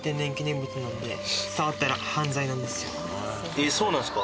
えっそうなんすか。